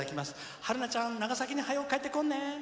春奈ちゃん、長崎にはよ帰ってこんね。